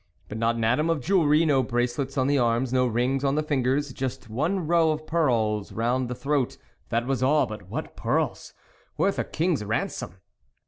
But not an atom of jewellery no bracelets on the arms, no rings on the fingers ; just one row of pearls round the throat, that was all but what pearls! worth a king's ramsom